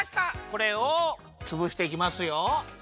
これをつぶしていきますよ。